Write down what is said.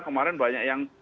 kemarin banyak yang